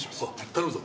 頼むぞ。